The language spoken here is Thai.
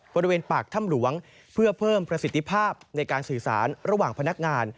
บริเวณปากถ้ำหลวงเพื่อเพิ่มประสิทธิภาพในการสื่อสารระหว่างพนักงาน